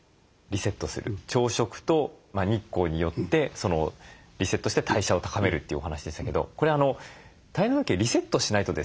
朝食と日光によってリセットして代謝を高めるというお話でしたけどこれ体内時計をリセットしないとですね